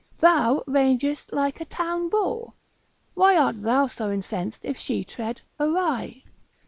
Thou rangest like a town bull, why art thou so incensed if she tread, awry?